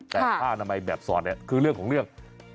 แต่ผ้าอนามัยแบบสอดเนี่ยคือเรื่องของเรื่อง